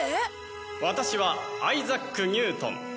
ワタシはアイザック・ニュートン。